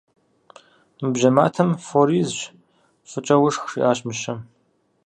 Мы бжьэ матэм фор изщ, фӏыкӏэ ушх, - жиӏащ мыщэм.